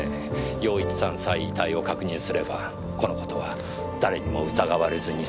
陽一さんさえ遺体を確認すればこの事は誰にも疑われずにすむと。